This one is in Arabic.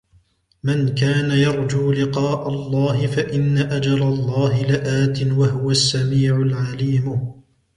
من كان يرجو لقاء الله فإن أجل الله لآت وهو السميع العليم